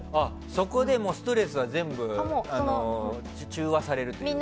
そこでストレスは全部中和されるというか。